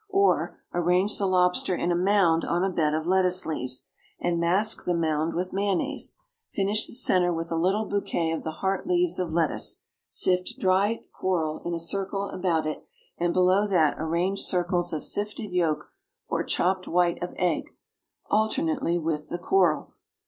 Or, arrange the lobster in a mound on a bed of lettuce leaves, and mask the mound with mayonnaise. Finish the centre with a little bouquet of the heart leaves of lettuce; sift dried coral in a circle about it, and below that arrange circles of sifted yolk or chopped white of egg alternately with the coral.